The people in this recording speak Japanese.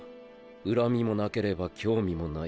恨みもなければ興味もない。